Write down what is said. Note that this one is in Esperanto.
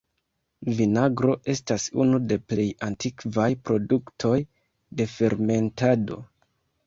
Vinagro estas unu de plej antikvaj produktoj de fermentado.